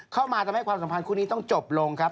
เข้ามาทำให้ความสัมพันธ์คู่นี้ต้องจบลงครับ